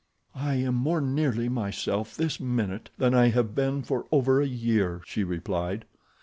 "I am more nearly myself this minute than I have been for over a year," she replied.